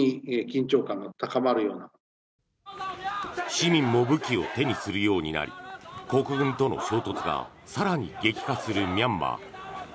市民も武器を手にするようになり国軍との衝突が更に激化するミャンマー。